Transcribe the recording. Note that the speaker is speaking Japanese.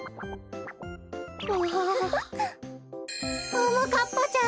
ももかっぱちゃん！